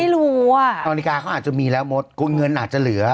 ก็ไม่รู้อ่ะนาฬิกาเขาอาจจะมีแล้วมดก็เงินอาจจะเหลือ